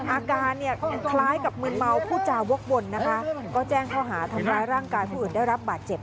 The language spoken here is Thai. อาการเนี่ยคล้ายกับมืนเมาผู้จาวกวนนะคะก็แจ้งข้อหาทำร้ายร่างกายผู้อื่นได้รับบาดเจ็บ